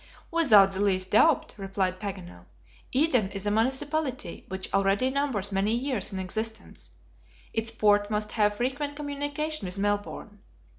"Without the least doubt," replied Paganel. "Eden is a municipality which already numbers many years in existence; its port must have frequent communication with Melbourne.